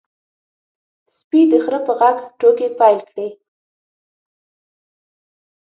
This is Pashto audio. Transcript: سپي د خره په غږ ټوکې پیل کړې.